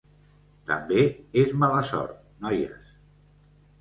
També és mala sort, noies.